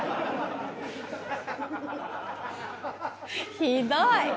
ひどい！